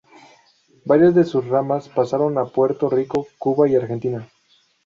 Varias de sus ramas pasaron a Puerto Rico, Cuba y Argentina.